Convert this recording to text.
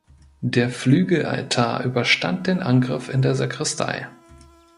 Der Flügelaltar überstand den Angriff in der Sakristei.